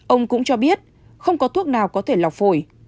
ông cũng cho biết không có thuốc nào có thể lọc phổi